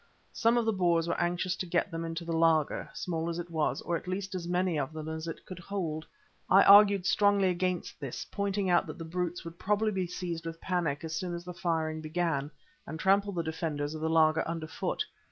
Some of the Boers were anxious to get them into the laager, small as it was, or at least as many of them as it would hold. I argued strongly against this, pointing out that the brutes would probably be seized with panic as soon as the firing began, and trample the defenders of the laager under foot.